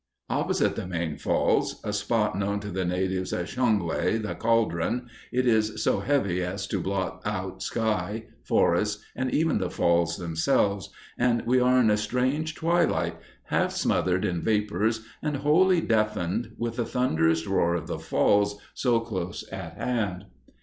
Opposite the Main Falls, a spot known to the natives as Shongwe, the Caldron, it is so heavy as to blot out sky, forest, and even the Falls themselves, and we are in a strange twilight, half smothered in vapors and wholly deafened with the thunderous roar of the Falls so close at hand.